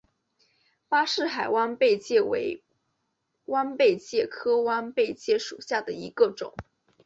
巴士海弯贝介为弯贝介科弯贝介属下的一个种。